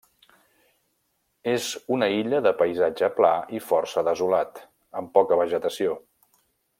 És una illa de paisatge pla i força desolat amb poca vegetació.